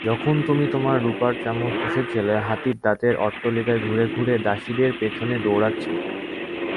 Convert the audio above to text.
যখন তুমি তোমার রূপার চামচ চুষছিলে হাতির দাঁতের অট্টালিকায় ঘুরে ঘুরে দাসীদের পেছনে দৌড়াচ্ছিলে!